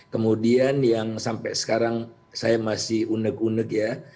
kemudian yang sampai sekarang saya masih uneg uneg ya